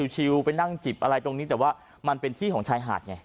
ไปนั่งจิบอะไรตรงนี้แต่ว่ามันเป็นที่ของชายหาดไง